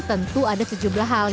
tentu ada sejublah hal yang terjadi